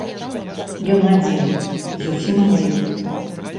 Ён адзін, зусім адзін.